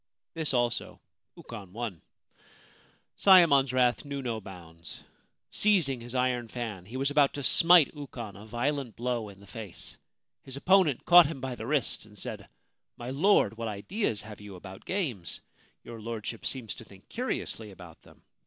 This also Ukon won. Sayemon's wrath knew no bounds. Seizing his iron fan, he was about to smite Ukon a violent blow in the face. His opponent caught him by the wrist, and said :* My Lord, what ideas have you about games ? Your Lordship seems to think curiously about them